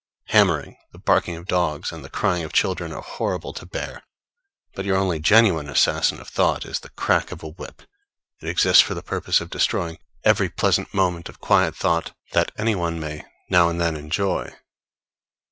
Hammering, the barking of dogs, and the crying of children are horrible to hear; but your only genuine assassin of thought is the crack of a whip; it exists for the purpose of destroying every pleasant moment of quiet thought that any one may now and then enjoy.